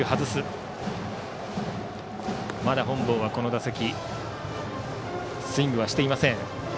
まだ本坊はこの打席スイングしていません。